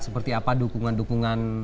seperti apa dukungan dukungan